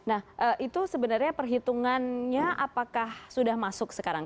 nah itu sebenarnya perhitungannya apakah sudah masuk sekarang